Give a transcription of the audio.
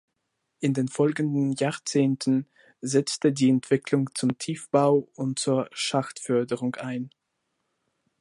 In den folgenden Jahrzehnten setzte die Entwicklung zum Tiefbau und zur Schachtförderung ein.